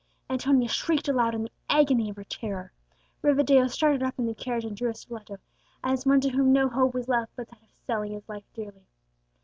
Antonia shrieked aloud in the agony of her terror; Rivadeo started up in the carriage and drew his stiletto, as one to whom no hope was left but that of selling his life dearly.